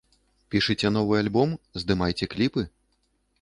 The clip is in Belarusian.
Пішыце новы альбом, здымаеце кліпы?